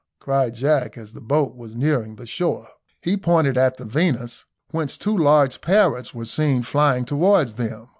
cried Jack, as the boat was nearing the shore. He pointed at the Venus, whence two large parrots were seen flying towards them.